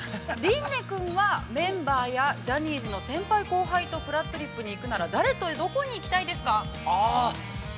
琳寧君は、メンバーや、ジャニーズの先輩後輩と、「ぷらっとりっぷ」に行くなら、誰とどこに行きたいですか。